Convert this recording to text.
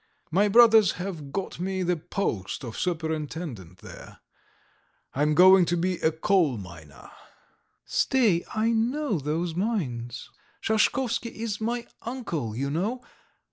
My brothers have got me the post of superintendent there. ... I am going to be a coal miner." "Stay, I know those mines. Shashkovsky is my uncle, you know.